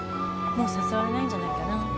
もう誘われないんじゃないかな？